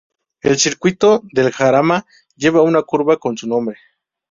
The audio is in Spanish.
El Circuito del Jarama lleva una curva con su nombre.